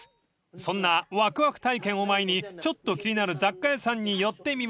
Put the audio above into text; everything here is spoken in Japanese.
［そんなワクワク体験を前にちょっと気になる雑貨屋さんに寄ってみましょう］